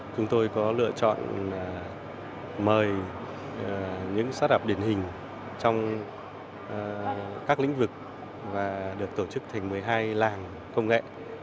chúng tôi có lựa chọn mời những start up điển hình trong các lĩnh vực và được tổ chức thành một mươi hai làng công nghệ